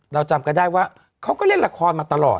เราจำกันได้ว่าเขาก็เล่นละครมาตลอด